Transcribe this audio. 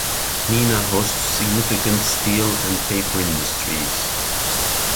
Neenah hosts significant steel and paper industries.